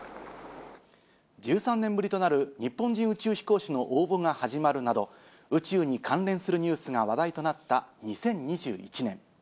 １３年ぶりとなる日本人宇宙飛行士の応募が始まるなど、宇宙に関連するニュースが話題となった２０２１年。